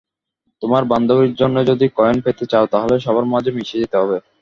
তোমার বান্ধবীর জন্যে যদি কয়েন পেতে চাও, তাহলে সবার মাঝে মিশে যেতে হবে।